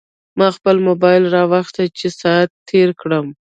ما خپل موبایل راواخیست چې ساعت تېر کړم.